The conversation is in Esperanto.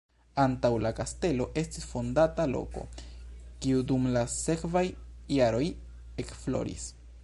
Antaŭ la kastelo estis fondata loko, kiu dum la sekvaj jaroj ekfloris.